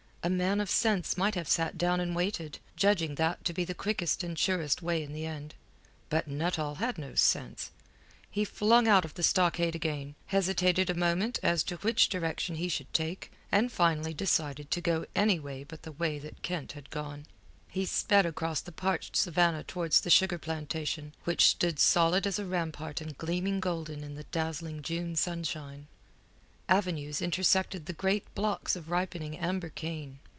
A man of sense might have sat down and waited, judging that to be the quickest and surest way in the end. But Nuttall had no sense. He flung out of the stockade again, hesitated a moment as to which direction he should take, and finally decided to go any way but the way that Kent had gone. He sped across the parched savannah towards the sugar plantation which stood solid as a rampart and gleaming golden in the dazzling June sunshine. Avenues intersected the great blocks of ripening amber cane.